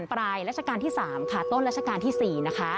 ปลายรัชกาลที่๓ค่ะต้นรัชกาลที่๔นะคะ